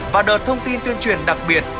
và đợt thông tin tuyên truyền đặc biệt